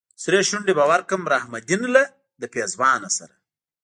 سرې شونډې به ورکړم رحم الدين لهد پېزوان سره